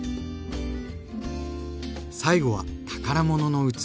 最後は宝物の器。